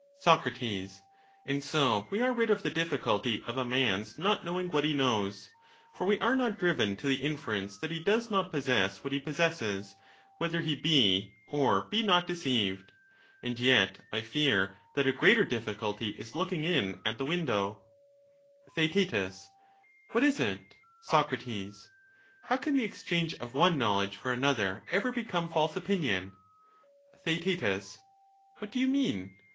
satisfcctory. Soc, And so we are rid of the difficulty of a man's not knowing what he knows, for we are not driven to the infer ence that he does not possess what he possesses, whether he be or be not deceived. And yet I fear that a greater But again difficulty is looking in at the window. difficiut Theaet What is it ? returns ; for Soc, How can the exchange of one knowledge for another J^*™*" ever become false opinion ? ledge in his Theaet What do you mean